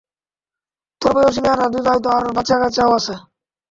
তোর বয়সী মেয়েরা বিবাহিত আর বাচ্ছাকাচ্ছাও আছে।